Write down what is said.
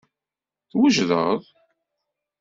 Twejdeḍ?